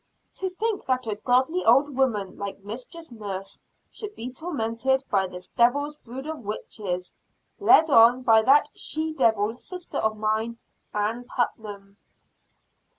"To think that a godly old woman like Mistress Nurse, should be tormented by this Devil's brood of witches, led on by that she devil sister of mine, Ann Putnam."